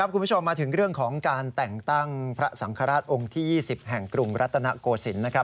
คุณผู้ชมมาถึงเรื่องของการแต่งตั้งพระสังฆราชองค์ที่๒๐แห่งกรุงรัตนโกศิลป์